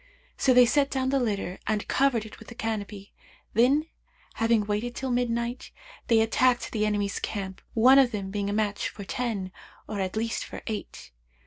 So they set down the litter and covered it with the canopy; then, having waited till midnight, they attacked the enemy's camp one of them being a match for ten; or at least for eight.